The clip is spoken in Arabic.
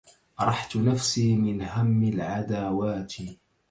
أرحت نفسي من هم العداوات